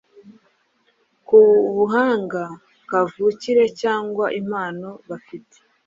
ku buhanga kavukire cyangwa impano bafite.